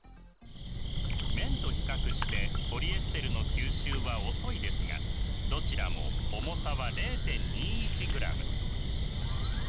綿と比較してポリエステルの吸収は遅いですがどちらも重さは０．２１ｇ。